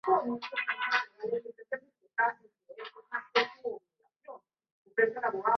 Horace parece dispuesto a ayudarlos pero, desafortunadamente, sufre un ataque cardíaco y muere.